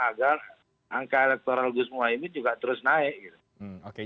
agar angka elektoral gus muwaimi juga terus naik